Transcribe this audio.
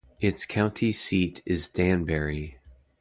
Its county seat is Danbury.